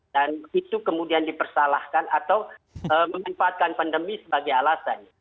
dan itu kemudian dipersalahkan atau memanfaatkan pandemi sebagai alasan